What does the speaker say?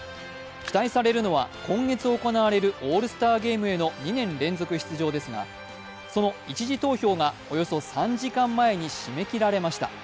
期待されるのは、今月行われるオールスターゲームへの２年連続出場ですが、その一時投票がおよそ３時間前に締め切られました